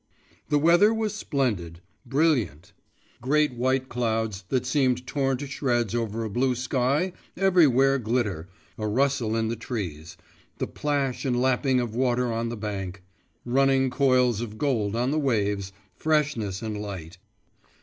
The weather was splendid, brilliant; great white clouds that seemed torn to shreds over a blue sky, everywhere glitter, a rustle in the trees, the plash and lapping of water on the bank, running coils of gold on the waves, freshness and sunlight!